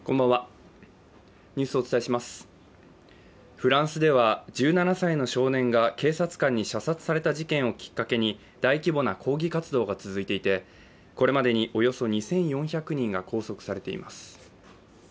フランスでは１７歳の少年が警察官に射殺された事件をきっかけに大規模な抗議活動が続いていてこれまでにおよそ２４００人が拘束されています。